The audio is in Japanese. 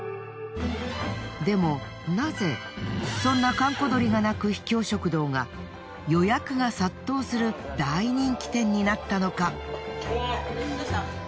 でもナゼそんな閑古鳥が鳴く秘境食堂が予約が殺到する大人気店になったのか？